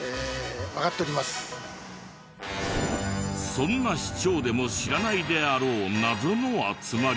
そんな市長でも知らないであろう謎の集まりが。